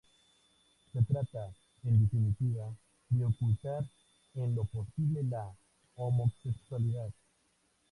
Se trata, en definitiva, de ocultar en lo posible la homosexualidad.